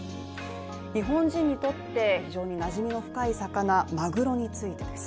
日本人にとって非常になじみの深い魚マグロについてです。